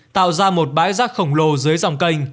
tạo ra một bãi rác khổng lồ dưới dòng kênh